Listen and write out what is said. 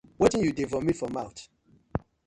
Wetin yu dey vomit for mouth.